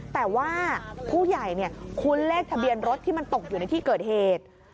แต่ว่าผู้ใหญ่คุ้นเลขทะเบียนรถที่มันตกอยู่ในที่เกิดเหตุ